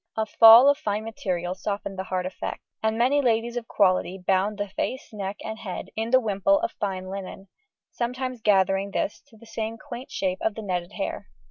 A fall of fine material softened the hard effect, and many ladies of quality bound the face, neck, and head in the wimple of fine linen, sometimes gathering this to the same quaint shape of the netted hair.